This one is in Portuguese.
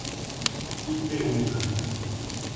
Ipeúna